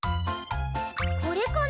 これかな？